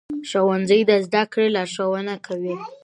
ښوونکي د زدهکړې لارښوونه کوي.